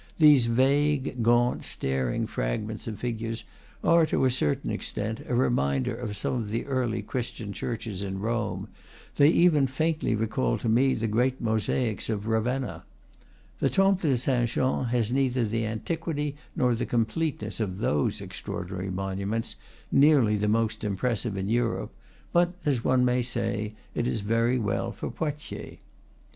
These vague, gaunt, staring fragments of figures are, to a certain extent, a reminder of some of the early Christian churches in Rome; they even faintly recalled to me the great mosaics of Ravenna. The Temple de Saint Jean has neither the antiquity nor the completeness of those extraordinary monuments, nearly the most impressive in Europe; but, as one may say, it is very well for Poitiers.